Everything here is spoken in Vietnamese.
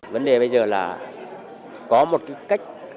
vấn đề bây giờ là có một cách tâm nhìn